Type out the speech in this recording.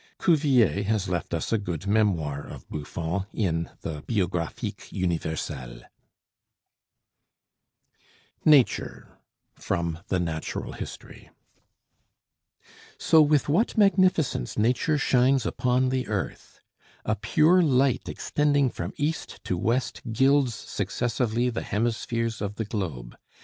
Cuvier has left us a good memoir of Buffon in the 'Biographic Universelle.' [Illustration: Signature: Spencer Trotter] NATURE From the 'Natural History' So with what magnificence Nature shines upon the earth! A pure light extending from east to west gilds successively the hemispheres of the globe.